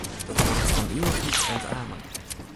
Dat duorret fan ivichheid oant amen.